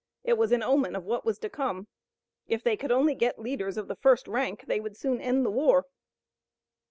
It was an omen of what was to come. If they could only get leaders of the first rank they would soon end the war.